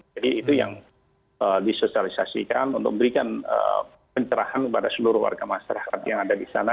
jadi itu yang disosialisasikan untuk memberikan pencerahan kepada seluruh warga masyarakat yang ada di sana